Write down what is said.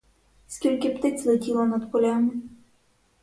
Скільки птиць летіло над полями.